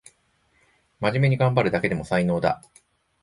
まじめにがんばるだけでも才能だ